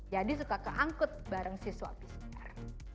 jadi suka keangkut bareng si swap pcr